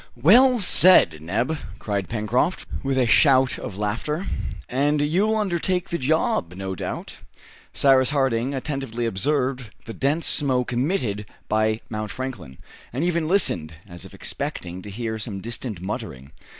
"Well said, Neb!" cried Pencroft, with a shout of laughter; "and you'll undertake the job, no doubt?" Cyrus Harding attentively observed the dense smoke emitted by Mount Franklin, and even listened, as if expecting to hear some distant muttering.